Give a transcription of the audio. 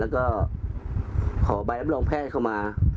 แล้วก็ขอใบรับรองแพทย์เข้ามา